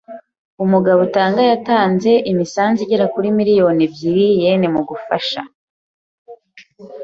Umugabo utanga yatanze imisanzu igera kuri miliyari ebyiri yen mu gufasha